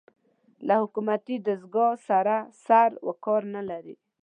له حکومتي دستګاه سره سر و کار نه لري